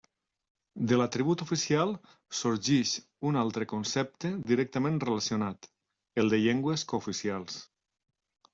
De l'atribut oficial sorgeix un altre concepte directament relacionat, el de llengües cooficials.